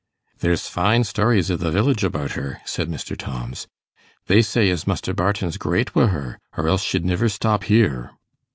'There's fine stories i' the village about her,' said Mr. Tomms. 'They say as Muster Barton's great wi' her, or else she'd niver stop here.